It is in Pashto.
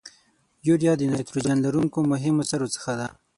یوریا د نایتروجن لرونکو مهمو سرو څخه ده.